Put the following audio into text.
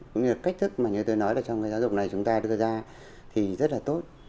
cũng như là cách thức mà như tôi nói là trong cái giáo dục này chúng ta đưa ra thì rất là tốt